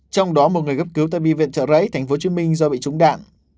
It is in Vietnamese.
trong đó một người gấp cứu tại bi viện trợ rẫy tp hcm do bị trúng đạn